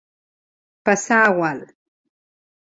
Passar a gual.